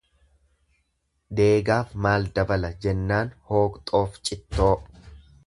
Deegaaf maal dabala? jennaan hooqxoof cittoo.